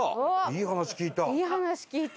いい話聞いた！